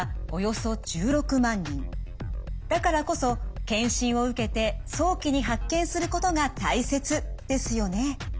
だからこそ検診を受けて早期に発見することが大切ですよね。